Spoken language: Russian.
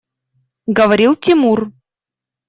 Говорил Тимур.